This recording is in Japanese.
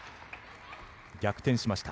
逆転しました。